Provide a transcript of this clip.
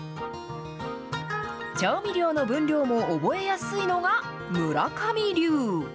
調味料の分量も覚えやすいのが村上流。